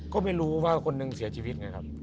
ก็ไม่รู้ว่าคนหนึ่งเสียชีวิตไงครับ